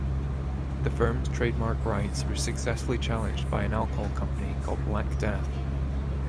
The firms trademark rights were successfully challenged by an alcohol company called Black Death.